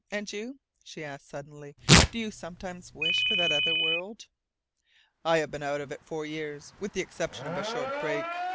And you?" she asked suddenly. "Do you sometimes wish for that other world?" "I have been out of it four years with the exception of a short break.